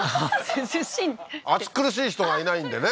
涼しいって暑苦しい人がいないんでね